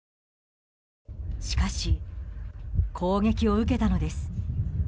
しかし、攻撃を受けたのです。